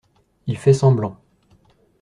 Il fait semblant.